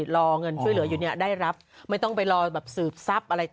รอเงินช่วยเหลืออยู่เนี่ยได้รับไม่ต้องไปรอแบบสืบทรัพย์อะไร